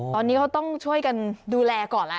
ตอนนี้ก็ต้องช่วยกันดูแลก่อน